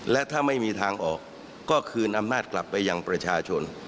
และถ้าไม่มีทางออกก็คืนอำนาจกลับไปยังประชาชน